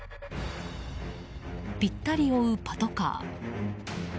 ぴったり追うパトカー。